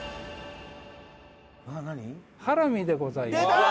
ハラミでございます。